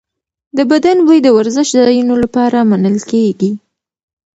د بدن بوی د ورزشځایونو لپاره منل کېږي.